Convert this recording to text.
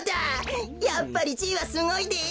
やっぱりじいはすごいです！